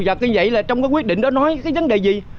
và tuy vậy là trong cái quyết định đó nói cái vấn đề gì